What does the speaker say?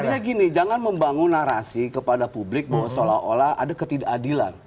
artinya gini jangan membangun narasi kepada publik bahwa seolah olah ada ketidakadilan